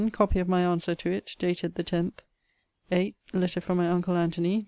Copy of my answer to it ........ dated the 1oth. 8. Letter from my uncle Antony